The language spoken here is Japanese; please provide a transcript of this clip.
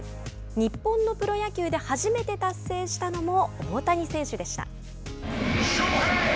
日本のプロ野球で初めて達成したのも大谷選手でした。